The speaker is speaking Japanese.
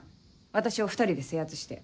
私を２人で制圧して。